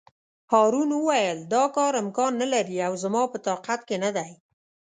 هارون وویل: دا کار امکان نه لري او زما په طاقت کې نه دی.